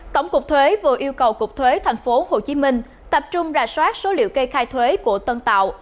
tổng cục thuế vừa yêu cầu cục thuế tp hcm tập trung rà soát số liệu kê khai thuế của tân tạo